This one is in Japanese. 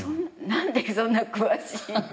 何でそんな詳しいの？